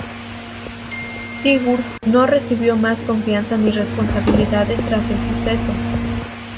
Sigurd no recibió más confianza ni responsabilidades tras el suceso.